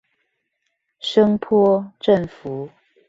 聲波振幅